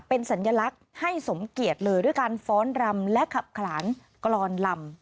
เป็นสัญลักษณ์ให้สมเกียจเลยด้วยการฟ้อนรำและขับขลานกรอนลำ